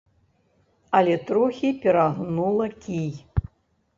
Але трохі перагнула кій.